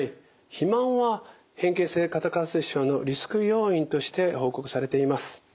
肥満は変形性肩関節症のリスク要因として報告されています。